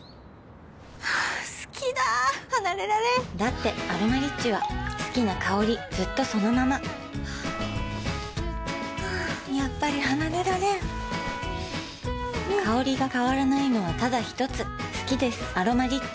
好きだ離れられんだって「アロマリッチ」は好きな香りずっとそのままやっぱり離れられん香りが変わらないのはただひとつ好きです「アロマリッチ」